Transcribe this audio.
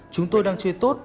chúng tôi đang chơi tốt